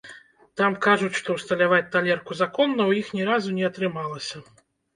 Там кажуць, што ўсталяваць талерку законна ў іх ні разу не атрымалася.